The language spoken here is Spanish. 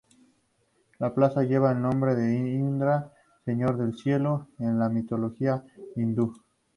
La plaza lleva el nombre de Indra, "señor del cielo" en la mitología hindú.